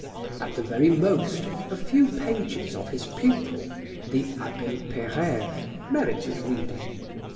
At the very most, a few pages of his pupil, the Abbe Peyreyve, merited reading.